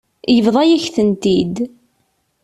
Yebḍa-yak-tent-id.